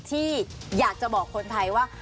ที่อยากจะบอกคนไทยว่า